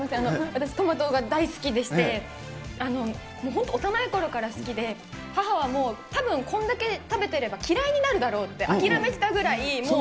私、トマトが大好きでして、もう本当、幼いころから好きで、母はもう、たぶん、こんだけ食べてれば嫌いになるだろうって諦めてたぐらい、もう。